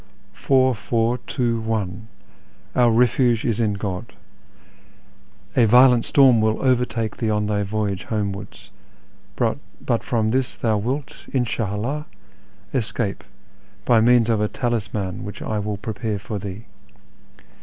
" Four, four, two, one ; our refuge is in God ! A violent storm will overtake thee on thy voyage homewards, but from this thou wilt, In slia 'lldh, escape, by means of a talisman which I will prepare for thee.